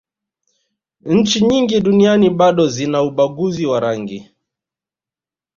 nchi nyingi duniani bado zina ubaguzi wa rangi